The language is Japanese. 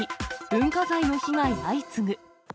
文化財の被害相次ぐ。